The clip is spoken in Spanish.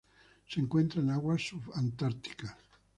Se encuentra en aguas subantárticas.